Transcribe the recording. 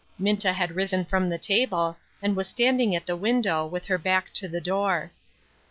Minta had risen from the table, and was standing at the window, with her back to the door.